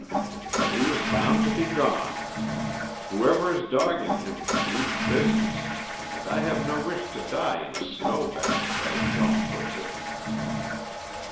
But he was bound to be gone. Whoever is dogging him means business, and I have no wish to die in a snowbank—as Jean puts it."